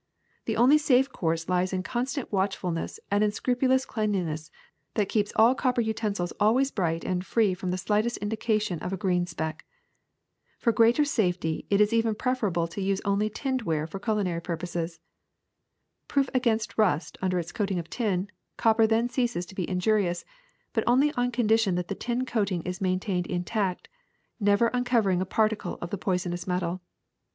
The only safe course lies 166 THE SECRET OF EVERYDAY THINGS in constant watchfulness and in a scrupulous cleanli ness that keeps all copper utensils always bright and free from the slightest indication of a green speck. For greater safety it is even preferable to use only tinned ware for culinary purposes. Proof against rust under its coating of tin, copper then ceases to be injurious, but only on condition that the tin coating is maintained intact, never uncovering a particle of the poisonous metal.